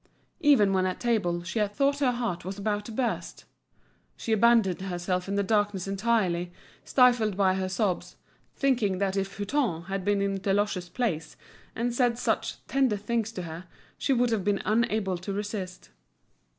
Even when at table, she had thought her heart was about to burst. She abandoned herself in the darkness entirely, stifled by her sobs, thinking that if Hutin had been in Deloche's place and said such tender things to her, she would have been unable to resist.